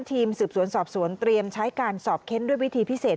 ทีมสืบสวนสอบสวนเตรียมใช้การสอบเค้นด้วยวิธีพิเศษ